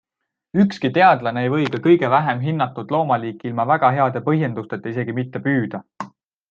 Ükski teadlane ei või ka kõige vähem hinnatud loomaliiki ilma väga heade põhjendusteta isegi mitte püüda.